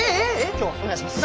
今日はお願いします